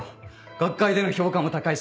学会での評価も高いし。